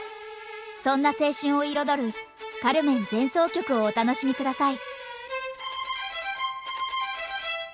そんな青春を彩る「カルメン」前奏曲をお楽しみ下さい。